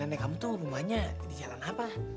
nenek kamu tuh rumahnya di jalan apa